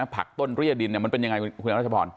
ผักต้นเรียดินมันเป็นยังไงคุณรัชพร